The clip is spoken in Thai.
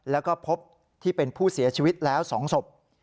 แล้วก็พบที่เป็นผู้เสียชีวิตแล้ว๒ศพ